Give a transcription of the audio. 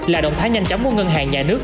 là động thái nhanh chóng của ngân hàng nhà nước